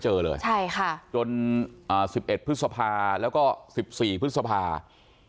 จน๑๒พฤษภาคมแล้วก็๑๔พฤษภาคม